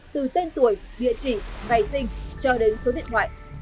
từ tên tuổi địa chỉ ngày sinh cho đến số điện thoại